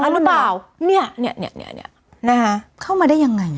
อันหรือเปล่าเนี้ยเนี้ยเนี้ยเนี้ยนะฮะเข้ามาได้ยังไง